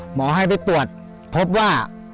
หมอให้ได้ตรวจพบว่า